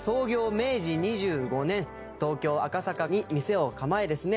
明治２５年東京赤坂に店を構えですね